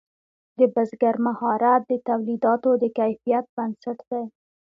د بزګر مهارت د تولیداتو د کیفیت بنسټ دی.